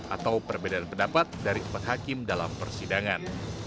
atau perbedaan pendapat dari empat hakim dalam persidangan